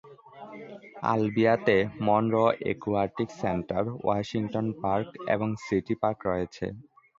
আলবিয়াতে, Monroe aquatic centre, Washington Park এবং City Park রয়েছে।